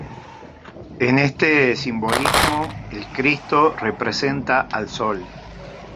En este simbolismo el Cristo representa al Sol.